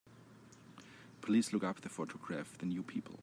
Please look up the photograph, The New People.